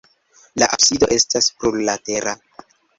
La absido estas plurlatera.